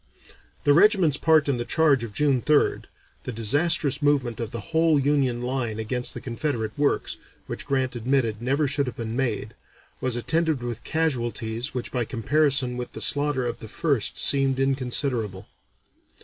The regiment's part in the charge of June 3rd, the disastrous movement of the whole Union line against the Confederate works, which Grant admitted never should have been made, was attended with casualties which by comparison with the slaughter of the 1st seemed inconsiderable.